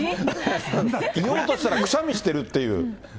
言おうとしたら、くしゃみしてるっていう。